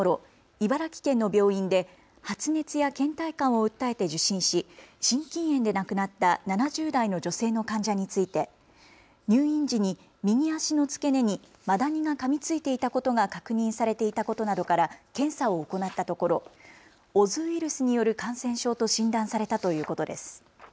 茨城県の病院で発熱やけん怠感を訴えて受診し心筋炎で亡くなった７０代の女性の患者について入院時に右足の付け根にマダニがかみついていたことが確認されていたことなどから検査を行ったところオズウイルスによる感染症と診断されたということです。